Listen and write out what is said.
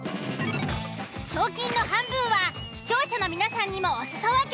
賞金の半分は視聴者の皆さんにもお裾分け。